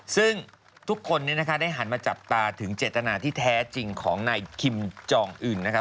ซึ่งทุกคนได้หันมาจับตาถึงเจตนาที่แท้จริงของนายคิมจองอื่นนะครับ